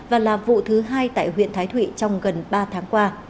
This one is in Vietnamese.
và là vụ thứ hai tại huyện thái thụy trong gần ba tháng qua